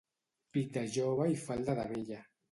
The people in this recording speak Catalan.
Pit de jove i falda de vella.